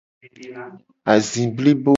Azi blibo.